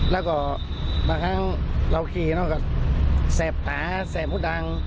แล้วก็บางครั้งเราขี่น้องก็แสบตาแสบมุดดัง